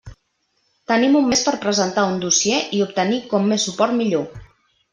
Tenim un mes per presentar un dossier i obtenir com més suport millor.